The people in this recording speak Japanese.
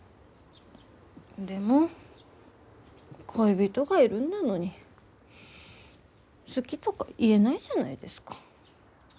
でも恋人がいるんだのに好きとか言えないじゃないですか。